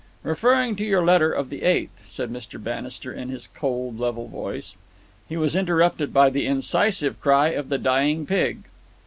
"'Referring to your letter of the eighth—'" said Mr. Bannister in his cold, level voice. He was interrupted by the incisive cry of the dying pig.